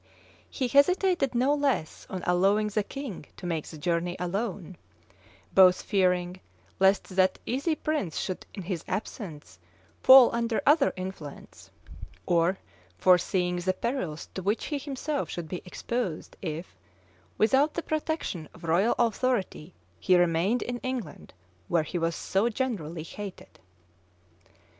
He hesitated no less on allowing the king to make the journey alone; both fearing lest that easy prince should in his absence fall under other influence, and foreseeing the perils to which he himself should be exposed if, without the protection of royal authority, he remained in England where he was so generally hated.